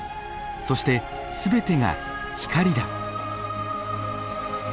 そして全てが光だ」。